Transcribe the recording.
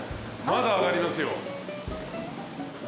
まだ上がりますよ。